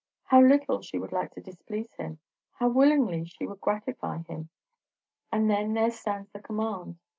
How little she would like to displease him! how willingly she would gratify him! And then there stands the command.